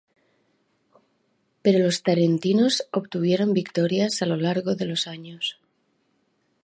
Pero los tarentinos obtuvieron victorias a lo largo de los años.